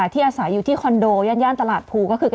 ที่อาศัยอยู่ที่คอนโดย่านตลาดภูก็คือ